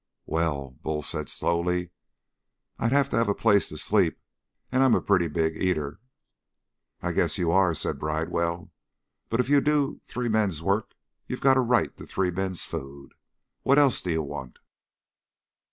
"Well," Bull said slowly, "I'd have to have a place to sleep. And I'm a pretty big eater." "I guess you are," said Bridewell. "But if you do three men's work you got a right to three men's food. What else do you want?"